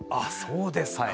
そうですか！